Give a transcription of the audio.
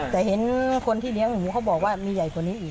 แต่เห็นคนที่เลี้ยงหมูเขาบอกว่ามีใหญ่กว่านี้อีก